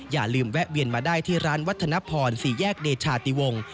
อย่าลืมแวะเวียนมาได้ที่ร้านวัฒนพรสี่แยกเดชาติวงศ์